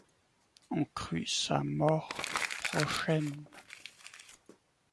On crut sa mort prochaine.